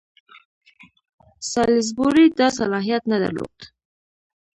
سالیزبوري دا صلاحیت نه درلود.